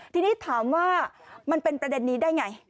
ทีนี้ถามว่ามันเป็นประเด็นนี้ได้ไง